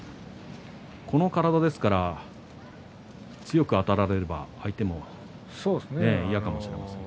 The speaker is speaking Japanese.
この体ですから強くあたられれば、相手も嫌かもしれません。